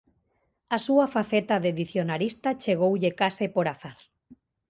A súa faceta de dicionarista chegoulle case por azar.